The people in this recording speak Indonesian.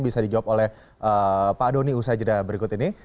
bisa dijawab oleh pak doni usha jeddah berikut ini